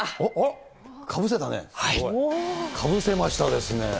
かぶせたね。